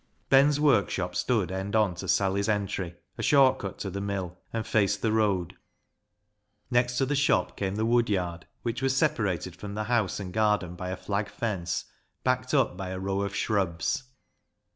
Ben's workshop stood end on to Sally's Entry, a short cut to the mill, and faced the road. Next to the shop came the woodyard, which was separated from the house and garden by a flag fence, backed up by a row of shrubs.